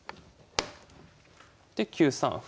で９三歩。